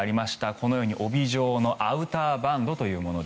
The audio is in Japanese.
このように帯状のアウターバンドというもの。